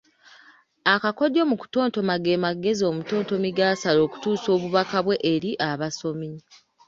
Akakodyo mu kutontoma ge magezi omutontomi g’asala okutuusa obubaka bwe eri abasomi